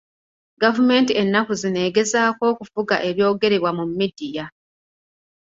Gavumenti ennaku zino egezaako okufuga eby'ogerebwa mu midiya.